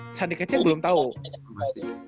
oh sandi kecing belum ada ya